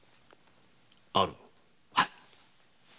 ある。